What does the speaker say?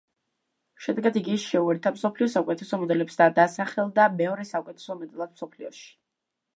შედეგად, იგი შეუერთდა მსოფლიოს საუკეთესო მოდელებს და დაასახელდა მეორე საუკეთესო მოდელად მსოფლიოში.